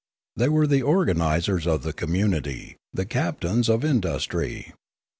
They were the organisers of the community, the captains of industry.